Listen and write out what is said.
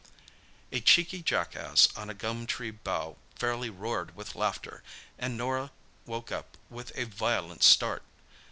A cheeky jackass on a gum tree bough fairly roared with laughter, and Norah woke up with a violent start.